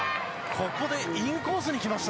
ここでインコースにきました。